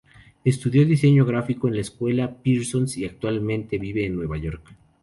Estudió Diseño Gráfico en la Escuela Parsons y actualmente vive en Nueva York.